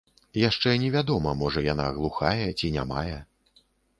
Яшчэ невядома, можа, яна глухая ці нямая.